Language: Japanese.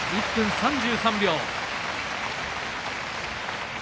１分３３秒。